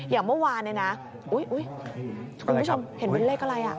อย่างเมื่อวานคุณผู้ชมเห็นเลขอะไร